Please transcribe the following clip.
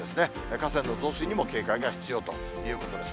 河川の増水にも警戒が必要ということです。